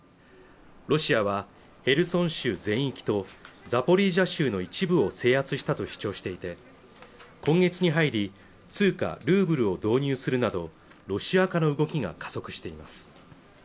ロシアはヘルソン州全域とザポリージャ州の一部を制圧したと主張していて今月に入り通貨ルーブルを導入するなどロシア化の動きが加速しています